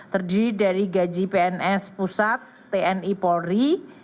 terdiri dari gaji pns pusat tni polri